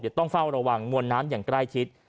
เดี๋ยวต้องเฝ้าระวังมวลน้ำอย่างใกล้ชิด